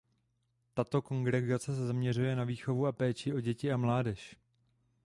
Tato kongregace se zaměřuje na výchovu a péči o děti a mládež.